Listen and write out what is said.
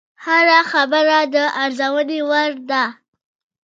هره خبره د ارزونې وړ ده